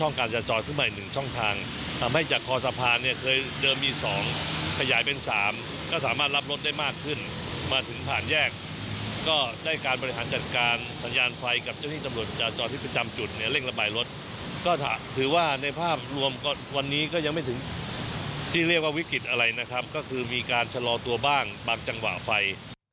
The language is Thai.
นี่ก็ยังไม่ถึงที่เรียกว่าวิกฤติอะไรนะครับก็คือมีการชะลอตัวบ้างบางจังหวะไฟ